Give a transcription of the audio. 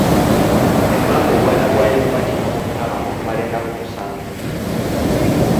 Emmamba obwana bwayo ebubatika mu ttama okumala ennaku musanvu.